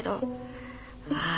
ああ。